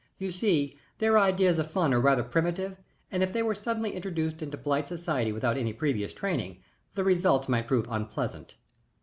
"You see, their ideas of fun are rather primitive, and if they were suddenly introduced into polite society without any previous training the results might prove unpleasant."